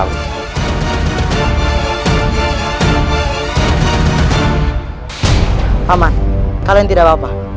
aman kalian tidak apa apa